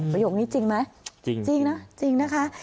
ประโยคนี้จริงไหมจริงนะคะ